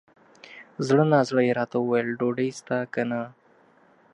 زړه نا زړه یې راته وویل ! ډوډۍ سته که نه؟